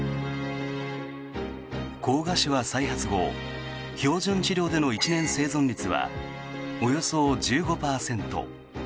膠芽腫は再発後標準治療での１年生存率はおよそ１５％。